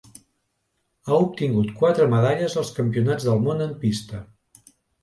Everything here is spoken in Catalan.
Ha obtingut quatre medalles als Campionats del món en pista.